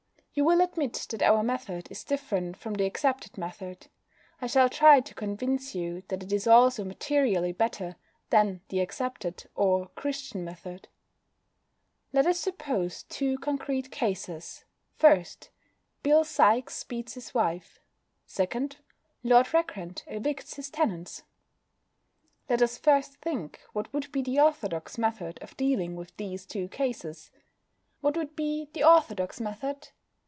You will admit that our method is different from the accepted method. I shall try to convince you that it is also materially better than the accepted, or Christian, method. Let us suppose two concrete cases: (1) Bill Sikes beats his wife; (2) Lord Rackrent evicts his tenants. Let us first think what would be the orthodox method of dealing with these two cases? What would be the orthodox method?